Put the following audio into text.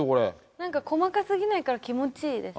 なんか細かすぎないから気持ちいいです。